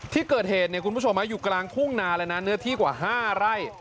ที่เกิดเหตุเนี่ยคุณผู้ชมอยู่กลางทุ่งนาเลยนะเนื้อที่กว่า๕ไร่